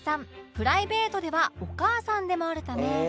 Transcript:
プライベートではお母さんでもあるため